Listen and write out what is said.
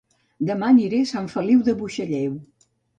Dema aniré a Sant Feliu de Buixalleu